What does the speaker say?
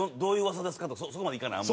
そこまでいかない。